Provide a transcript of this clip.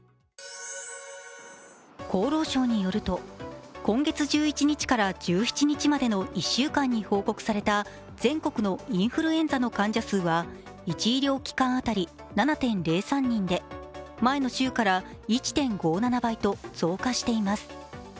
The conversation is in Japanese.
厚労省によると、今月１１日から１７日までの１週間に報告された全国のインフルエンザの患者数は１医療機関当たり７．０３人で前の週から１．５７倍と増加しています。